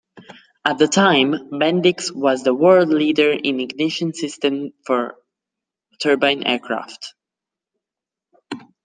At the time, Bendix was the world leader in ignition systems for turbine aircraft.